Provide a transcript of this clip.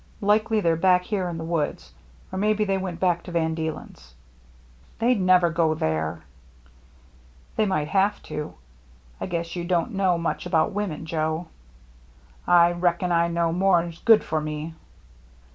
Likely they're back here in the woods. Or maybe they went back to Van Deelen's." " They'd never go there." " They might have to. I guess you don't know much about women, Joe." " I reckon I know more'n's good for me."